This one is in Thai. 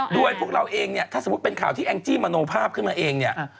โดยพวกเราเองเนี่ยถ้าสมมุติเป็นข่าวที่แองจี้มโนภาพขึ้นมาเองเนี่ย